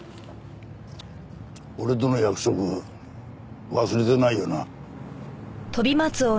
俺との約束忘れてないよな？